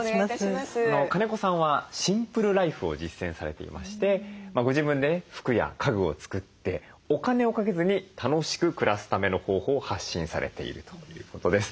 金子さんはシンプルライフを実践されていましてご自分でね服や家具を作ってお金をかけずに楽しく暮らすための方法を発信されているということです。